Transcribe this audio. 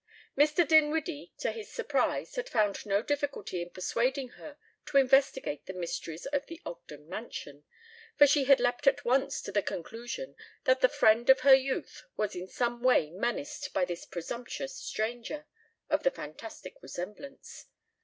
Mr. Dinwiddie to his surprise had found no difficulty in persuading her to investigate the mysteries of the Ogden mansion, for she had leapt at once to the conclusion that the friend of her youth was in some way menaced by this presumptuous stranger of the fantastic resemblance.